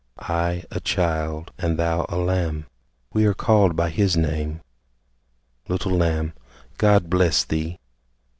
I a child, and thou a lamb, We are called by His name. Little Lamb, God bless thee!